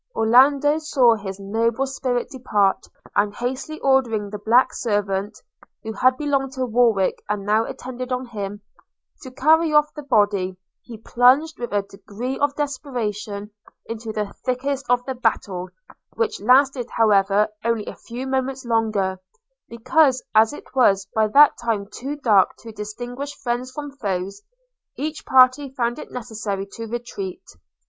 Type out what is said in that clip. Orlando saw his noble spirit depart, and hastily ordering the black servant (who had belonged to Warwick, and now attended on him) to carry off the body, he plunged with a degree of desperation into the thickest of the battle; which lasted, however, only a few moments longer, because, as it was by that time too dark to distinguish friends from foes, each party found it necessary to retreat.